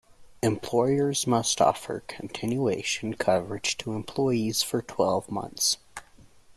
Employers must offer continuation coverage to employees for twelve months.